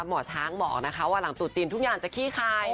หมอช้างบอกนะคะว่าหลังตุ๊จีนทุกอย่างจะขี้คาย